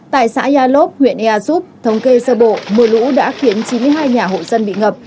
tại xã gia lốt huyện ea sốt thống kê sơ bộ mưa lũ đã khiến chín mươi hai nhà hội dân bị ngập